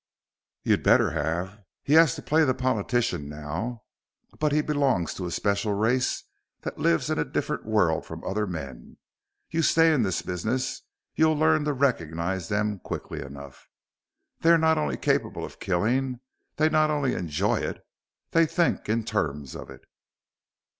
"You'd better have. He has to play the politician now, but he belongs to a special race that lives in a different world from other men. You stay in this business, you'll learn to recognize them quick enough. They are not only capable of killing, they not only enjoy it, they think in terms of it."